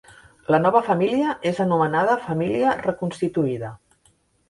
La nova família és anomenada família reconstituïda.